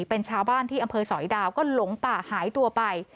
เป็นชาวบ้านที่อำเภอสอยดาวก็หลงป่าหายตัวไป